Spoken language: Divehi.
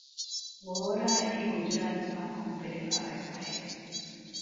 ވޯރާ އެއީ ގުޖުރާތު ބަހަކުން އުފެދިފައި އޮތް ބަހެއް